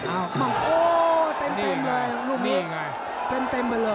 โอ้เต็มเลยลูกนี้เต็มไปเลย